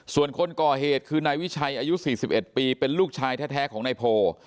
ส่วนคนก่อเหตุคือนายวิชัยอายุ๔๑ปีเป็นลูกชายแท้ของนายโพ